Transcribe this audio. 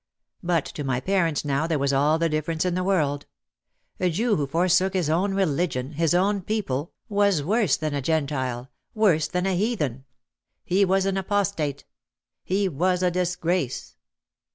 But to my parents now there was all the difference in the world. A Jew who forsook his own religion, his own people, was worse 294 OUT OF THE SHADOW than a Gentile, worse than a heathen. He was an "apos tate." He was a disgrace!